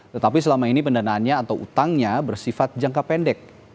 tetapi selama ini pendanaannya atau utangnya bersifat jangka pendek